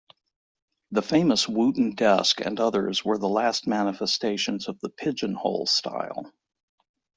The famous Wooton desk and others were the last manifestations of the "pigeonhole" style.